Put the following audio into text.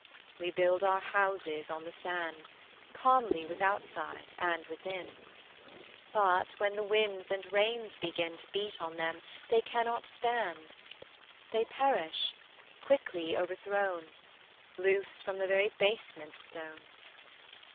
We build our houses on the sand, Comely withoutside and within; But when the winds and rains begin To beat on them, they cannot stand; They perish, quickly overthrown, Loose from the very basement stone.